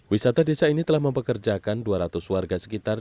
wisata desa ini telah mempekerjakan dua ratus warga sekitar